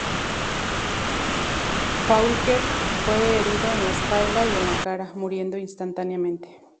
Faulkner fue herido en la espalda y en la cara, muriendo instantáneamente.